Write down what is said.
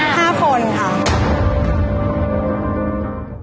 ค่ะค่ะ๕คนครับ